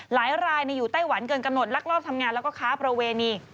หลายรายอยู่ไต้หวันเกินกำหนดลักลอบทำงานแล้วก็ค้าประเวณี